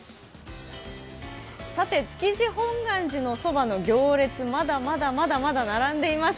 築地本願寺のそばの行列、まだまだまだまだ並んでいます。